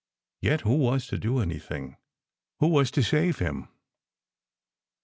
Yet who was to do anything? Who was to save him?